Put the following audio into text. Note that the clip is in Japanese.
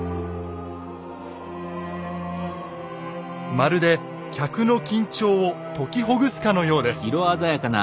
まるで客の緊張を解きほぐすかのようです。